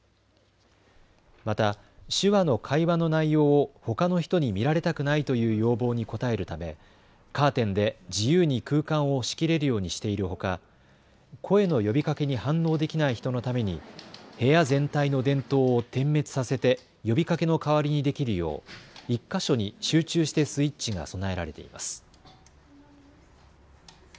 また手話の会話の内容をほかの人に見られたくないという要望に応えるためカーテンで自由に空間を仕切れるようにしているほか声の呼びかけに反応できない人のために部屋全体の電灯を点滅させて呼びかけの代わりにできるよう１か所に集中してスイッチが備えられています。